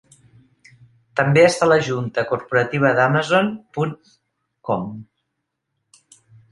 També està a la junta corporativa d'Amazon punt com.